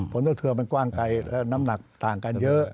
เตอร์เทือมันกว้างไกลและน้ำหนักต่างกันเยอะ